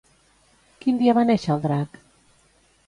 Quin dia va néixer el drac?